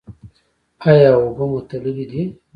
ایا اوبه مو تللې دي؟